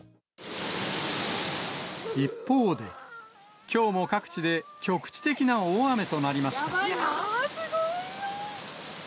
一方で、きょうも各地で局地的な大雨となりました。